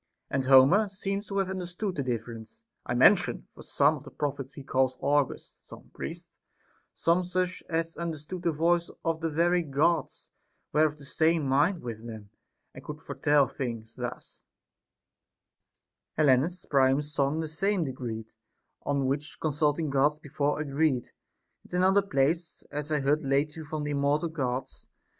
And Homer seems to have understood the difference I mention ; for some of the prophets he calls augurs, some priests, some such as understood the voice of the very Gods, were of the same mind with them, and could foretell things ; thus, Helenus Priam's son the same decreed, On which consulting Gods before agreed. And in another place, As I heard lately from th' immortal Gods.